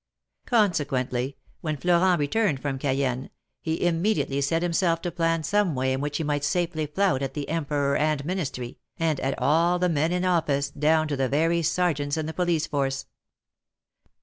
Consequently, when Florent returned from Cayenne, he immediately set him self to plan some way in which he might safely flout at the Emperor and Ministry, and at all the men in office, down to the very Sergeants in the police force.